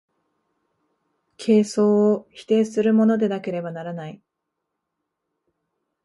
形相を否定するものでなければならない。